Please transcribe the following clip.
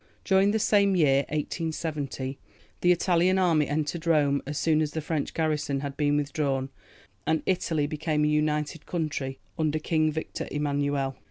During the same year (1870) the Italian army entered Rome, as soon as the French garrison had been withdrawn, and Italy became a united country under King Victor Emmanuel.